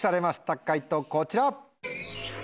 解答こちら。